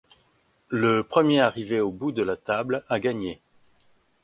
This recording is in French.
Le premier arrivé au bout de la table a gagné.